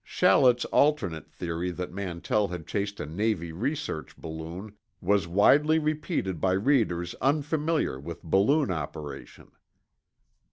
Shallett's alternate theory that Mantell had chased a Navy research balloon was widely repeated by readers unfamiliar with balloon operation.